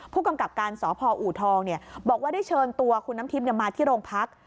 ผู้กำกับการสพอูทองบอกว่าได้เชิญตัวคุณน้ำทิพย์มาที่โรงพัก